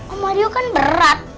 om mario kan berat